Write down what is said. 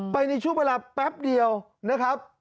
ในช่วงเวลาแป๊บเดียวนะครับ